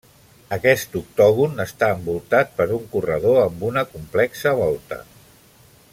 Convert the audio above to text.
Aquest octògon està envoltat per un corredor amb una complexa volta.